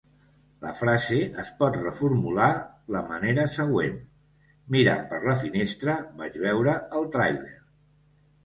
La frase es pot reformular la manera següent: "Mirant per la finestra, vaig veure el tràiler".